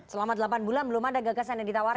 selama delapan bulan belum ada gagasan yang ditawarkan